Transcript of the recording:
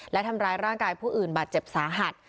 และทำร้ายร่างกายผู้อื่นบาดเจ็บสาหัส